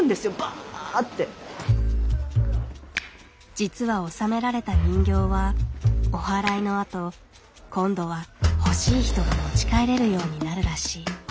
実は納められた人形はおはらいのあと今度は欲しい人が持ち帰れるようになるらしい。